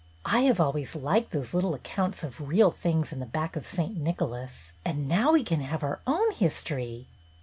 "I have always liked those little accounts of real things in the back of ' St. Nicholas,' and now we can have our own history